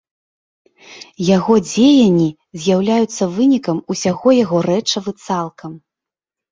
Яго дзеянні з'яўляюцца вынікам усяго яго рэчыва цалкам.